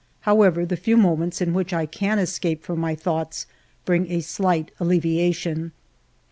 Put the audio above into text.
However, the few moments in which I can escape from my thoughts bring a slight alleviation.